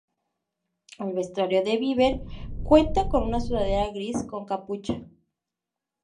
El vestuario de Bieber cuenta con una sudadera gris con capucha.